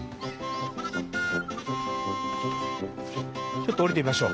ちょっと下りてみましょう。